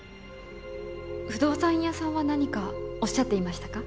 不動産屋さんは何かおっしゃっていましたか？